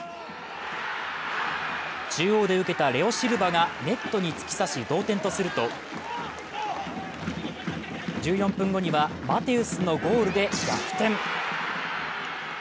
中央で受けたレオ・シルバがネットに突き刺し、同点とすると、１４分後にはマテウスのゴールで逆転。